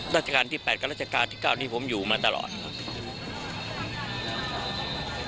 ราชกาลที่แปดก็ราชกาลที่เก้านี้ผมอยู่มาได้ปลอดภัษฐ์